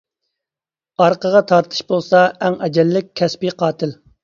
ئارقىغا تارتىش بولسا ئەڭ ئەجەللىك كەسپى قاتىل.